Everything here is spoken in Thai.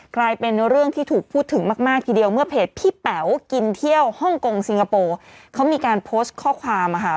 กลายเป็นเรื่องที่ถูกพูดถึงมากมากทีเดียวเมื่อเพจพี่แป๋วกินเที่ยวฮ่องกงสิงคโปร์เขามีการโพสต์ข้อความอะค่ะ